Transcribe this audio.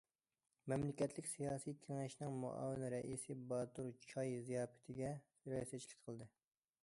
مەملىكەتلىك سىياسىي كېڭەشنىڭ مۇئاۋىن رەئىسى باتۇر چاي زىياپىتىگە رىياسەتچىلىك قىلدى.